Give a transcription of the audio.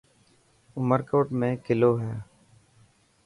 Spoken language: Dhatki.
عمرڪوٽ ۾ ڪلو هي.